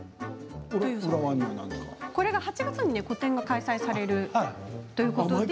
これは８月に個展が開催されるということで。